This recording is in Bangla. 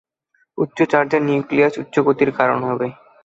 উচ্চ চার্জের নিউক্লিয়াস উচ্চ গতির কারণ হবে।